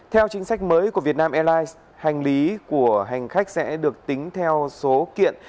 theo chính sách mới của vietnam airlines hành lý của hành khách sẽ được tính theo số kiện